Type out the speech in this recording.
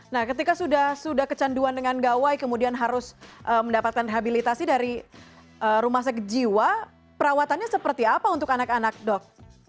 nah ketika sudah kecanduan dengan gawai kemudian harus mendapatkan rehabilitasi dari rumah sakit jiwa perawatannya seperti apa untuk anak anak dok